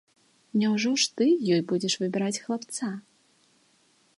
Няўжо ж ты ёй будзеш выбіраць хлапца?